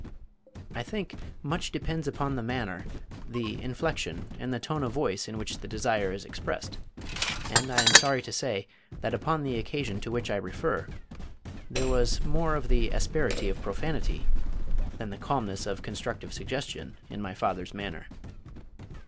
I think much depends upon the manner, the inflection, and the tone of voice in which the desire is expressed, and I am sorry to say that upon the occasion to which I refer, there was more of the asperity of profanity than the calmness of constructive suggestion in my father's manner.